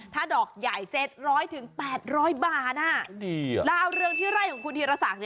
ถ้าดอกใหญ่๗๐๐๘๐๐บาทแล้วเอาเรืองที่ไร่ของคุณธีรศักดิ์